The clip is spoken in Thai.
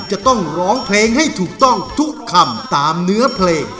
จะต้องร้องเพลงให้ถูกต้องทุกคำตามเนื้อเพลง